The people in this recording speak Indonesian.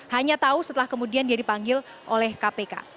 hanya tahu setelah kemudian dia dipanggil oleh kpk